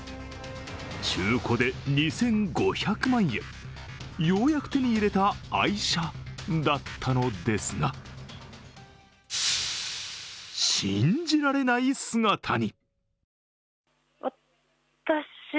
中古で２５００万円、ようやく手に入れた愛車だったのですが信じられない姿に。